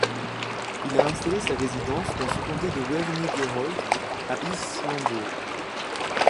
Il a installé sa résidence dans son comté de Wernigerode à Ilsenburg.